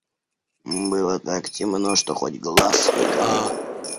Было так темно, что хоть глаз выколи.